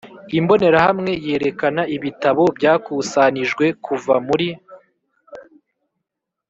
Imbonerahamwe yerekana ibitabo byakusanijwe kuva muri